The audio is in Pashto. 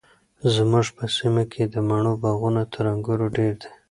زموږ په سیمه کې د مڼو باغونه تر انګورو ډیر دي.